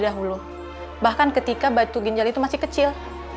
dahulu bahkan ketika batu ginjal itu masih kecil